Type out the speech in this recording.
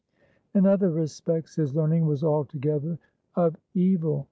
In other respects, his learning was altogether of evil.